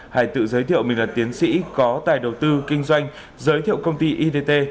hải tự giới thiệu mình là tiến sĩ có tài đầu tư kinh doanh giới thiệu công ty idtt